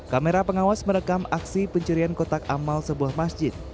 kamera pengawas merekam aksi pencurian kotak amal sebuah masjid